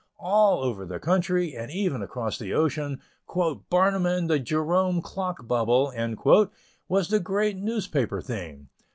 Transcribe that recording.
All over the country, and even across the ocean, "Barnum and the Jerome Clock Bubble" was the great newspaper theme.